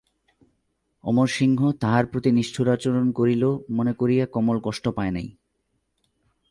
অমরসিংহ তাহার প্রতি নিষ্ঠুরাচরণ করিল মনে করিয়া কমল কষ্ট পায় নাই।